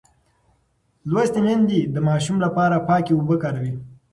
لوستې میندې د ماشوم لپاره پاکې اوبه کاروي.